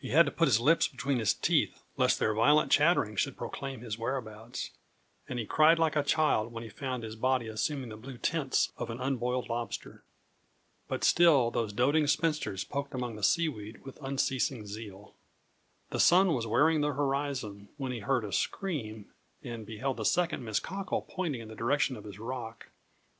He had to put his lips between his teeth, lest their violent chattering should proclaim his whereabouts; and he cried like a child when he found his body assuming the blue tints of an unboiled lobster. But still those doting spinsters poked amongst the sea weed with unceasing zeal. The sun was wearing the horizon, when he heard a scream, and beheld the second Miss Cockle pointing in the direction of his rock.